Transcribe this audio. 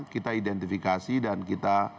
kita identifikasi dan kita